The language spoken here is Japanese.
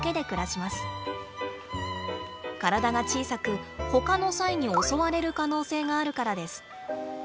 体が小さくほかのサイに襲われる可能性があるからです。